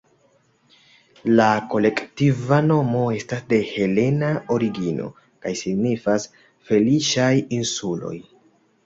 La kolektiva nomo estas de helena origino kaj signifas "feliĉaj insuloj".